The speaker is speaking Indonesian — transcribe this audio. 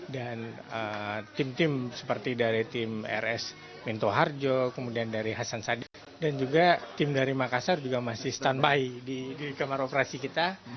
tim tim seperti dari tim rs minto harjo kemudian dari hasan sadik dan juga tim dari makassar juga masih standby di kamar operasi kita